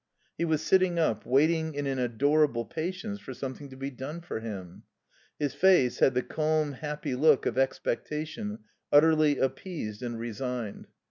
He was sitting up, waiting in an adorable patience for something to be done for him. His face had the calm, happy look of expectation utterly appeased and resigned.